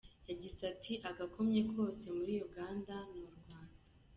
Yagize ati “Agakomye kose muri Uganda ni u Rwanda.